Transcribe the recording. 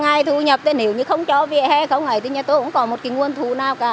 ngày thu nhập thì nếu như không cho về hè không ấy thì nhà tôi cũng có một nguồn thu nào cả